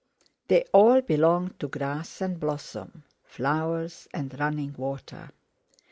They all belonged to grass and blossom, flowers and running water.